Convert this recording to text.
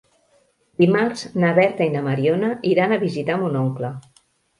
Dimarts na Berta i na Mariona iran a visitar mon oncle.